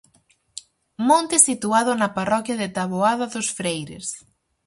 Monte situado na parroquia de Taboada dos Freires.